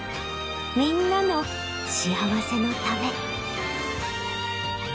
みんなの幸せのため。